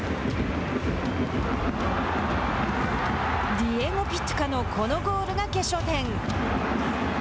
ディエゴ・ピトゥカのこのゴールが決勝点。